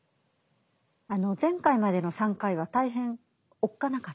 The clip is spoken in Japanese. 前回までの３回は大変おっかなかったので。